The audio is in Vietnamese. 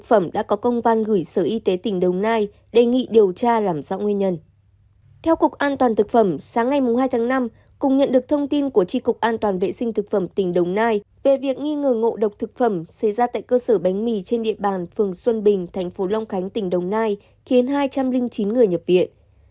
về việc nghi ngờ ngộ độc thực phẩm xây ra tại cơ sở bánh mì trên địa bàn phường xuân bình thành phố long khánh tỉnh đồng nai khiến hai trăm linh chín người nhập viện